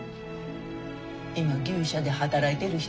今牛舎で働いてる人。